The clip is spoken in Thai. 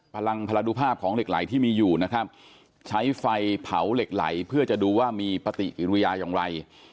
พลังพลดูภาพของเหล็กไหลที่มีอยู่นะครับใช้ไฟเผาเหล็กไหลเพื่อจะดูว่ามีปฏิกิริยาอย่างไร